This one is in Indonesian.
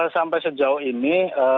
sampai sejauh ini